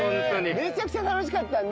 めちゃくちゃ楽しかったんで。